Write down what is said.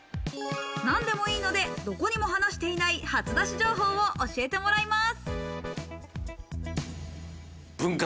何でもいいので、どこにも話していない初出し情報を教えてもらいます。